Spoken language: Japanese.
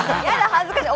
恥ずかしい！